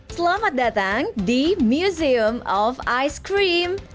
selamat datang di museum of ice cream